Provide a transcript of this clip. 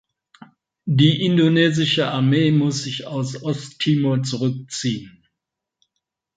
Die indonesische Armee muss sich aus Ost-Timor zurückziehen.